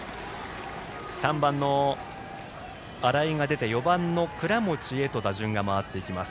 ３番の荒居が出て４番の倉持へ打順が回っていきます。